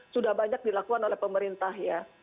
sudah banyak dilakukan oleh pemerintah ya